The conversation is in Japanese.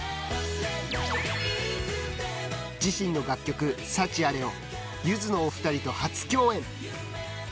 自身の楽曲「サチアレ」をゆずのお二人と初共演。